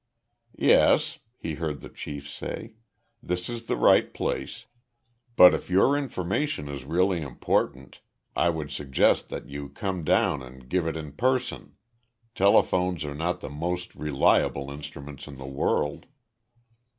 "Yes," he heard the chief say, "this is the right place but if your information is really important I would suggest that you come down and give it in person. Telephones are not the most reliable instruments in the world."